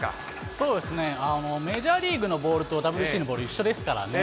そうですね、メジャーリーグのボールとＷＢＣのボール、一緒ですからね。